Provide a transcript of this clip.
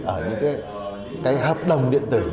ở những cái hợp đồng điện tử